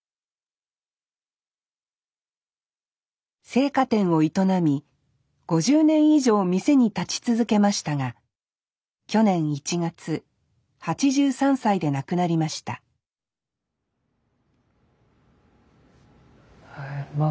青果店を営み５０年以上店に立ち続けましたが去年１月８３歳で亡くなりましたま